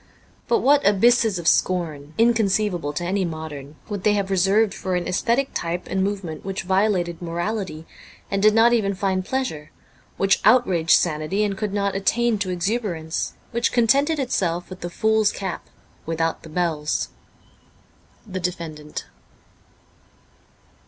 But what abysses of scorn, inconceivable to any modern, would they have reserved for an aesthetic type and movement which violated morality and did not even find pleasure, which outraged sanity and could not attain to exuberance, which contented itself with the fool's cap without the bells !' The Defendant.'